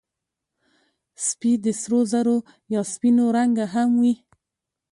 سپي د سرو زرو یا سپینو رنګه هم وي.